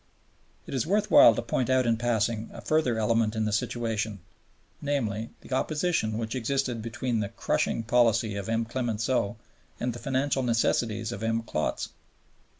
It is worth while to point out in passing a further element in the situation, namely, the opposition which existed between the "crushing" policy of M. Clemenceau and the financial necessities of M. Klotz.